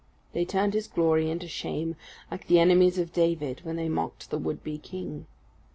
They turned his glory into shame, like the enemies of David when they mocked the would be king.